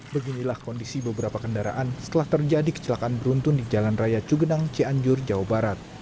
beginilah kondisi beberapa kendaraan setelah terjadi kecelakaan beruntun di jalan raya cugenang cianjur jawa barat